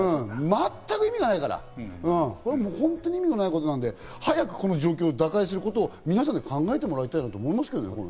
全く意味がないから、これ、本当に意味のないことなんで、早くこの状況を打開することを皆さんで考えてもらいたいなと思いますけどね。